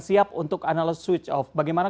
siap untuk analog switch off bagaimana